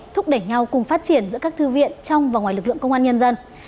thúc đẩy nhau cùng phát triển giữa các thư viện trong và ngoài lực lượng công an nhân dân